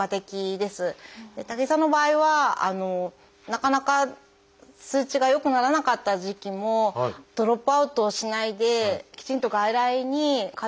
武井さんの場合はなかなか数値が良くならなかった時期もドロップアウトしないできちんと外来に通い続けていただいて。